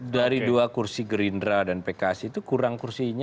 dari dua kursi gerindra dan pks itu kurang kursinya